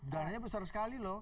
dananya besar sekali loh